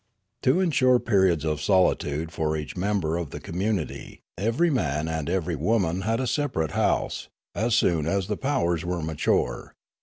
To ensure periods of solitude for each member of the community, every man and every woman had a separate house, as soon as the powers were mature.